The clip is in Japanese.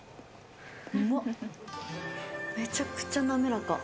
めちゃくちゃ滑らか。